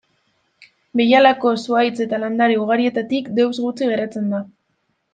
Behialako zuhaitz eta landare ugarietatik deus gutxi geratzen da.